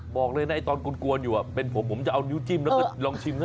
บอกเลยนะตอนกวนอยู่เป็นผมผมจะเอานิ้วจิ้มแล้วก็ลองชิมนะ